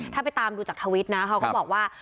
ถ้าไปตามดูจากทวิตนะเขาก็บอกว่า